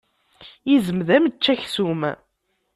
Izem d ameččaksum.